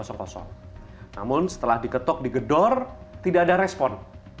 namun setelah diketok di gedor tidak ada respon